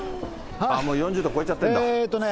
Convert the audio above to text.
もう４０度超えちゃってるんだ。